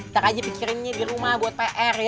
ntar aja pikirinnya di rumah buat pr ya